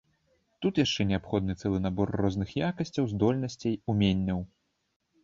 Тут яшчэ неабходны цэлы набор розных якасцяў, здольнасцей, уменняў.